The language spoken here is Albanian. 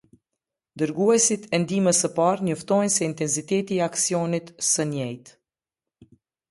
Dërguesit e ndihmës së parë njoftojnë se intensiteti i aksionit së njëjtë.